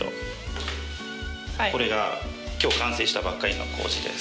これがきょう完成したばっかりの麹です。